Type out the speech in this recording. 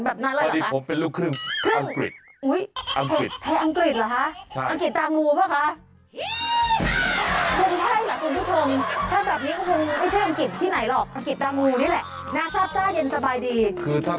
ข้าวปูเท่า